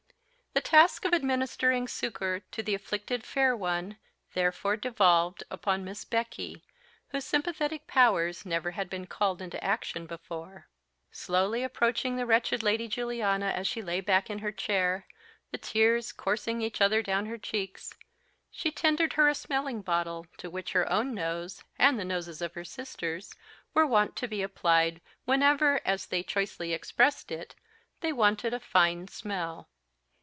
The task of administering succour to the afflicted fair one therefore devolved upon Miss Becky, whose sympathetic powers never had been called into action before. Slowly approaching the wretched Lady Juliana as she lay back in her chair, the tears coursing each other down her cheeks, she tendered her a smelling bottle, to which her own nose, and the noses of her sisters, were wont to be applied whenever, as they choicely expressed it, they wanted a "fine smell."